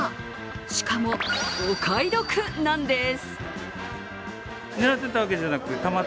しかも、お買い得なんです。